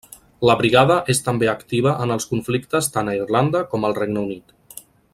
La Brigada és també activa en els conflictes tant a Irlanda com al Regne Unit.